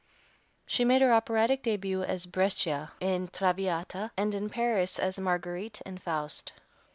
She made her operatic début at Brescia in "Traviata," and in Paris as Marguerite, in "Faust."